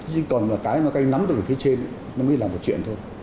nhưng còn cái nó cây nắm từ phía trên nó mới là một chuyện thôi